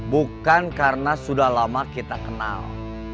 bukan karena sudah lama kita kenal